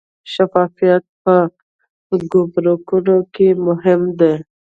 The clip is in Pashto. شفافیت په ګمرکونو کې مهم دی